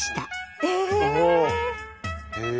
え！